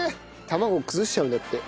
卵崩しちゃうんだって。